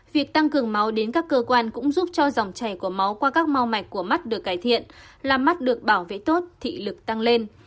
việc tăng cường máu đến các cơ quan cũng giúp cho dòng chảy của máu qua các mau mạch của mắt được cải thiện làm mắt được bảo vệ tốt thị lực tăng lên